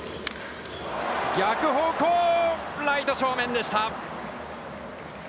逆方向、ライト正面でした。